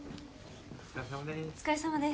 お疲れさまです。